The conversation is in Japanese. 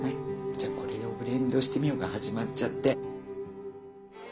「じゃこれをブレンドしてみよう」が始まっちゃって。